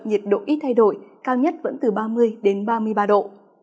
nhiệt độ ít thay đổi cao nhất vẫn từ ba mươi đến ba mươi ba độ